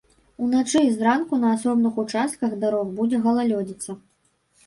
Уначы і зранку на асобных участках дарог будзе галалёдзіца.